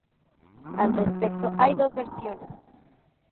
Al respecto hay dos versiones.